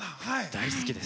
大好きです！